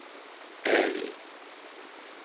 Arry